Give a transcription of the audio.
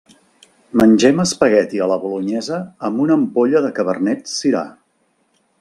Mengem espagueti a la bolonyesa amb una ampolla de cabernet-sirà.